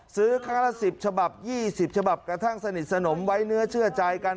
ซื้อครั้งละ๑๐ฉบับ๒๐ฉบับกระทั่งสนิทสนมไว้เนื้อเชื่อใจกัน